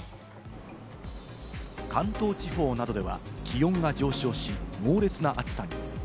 関東地方などでは気温が上昇し、猛烈な暑さに。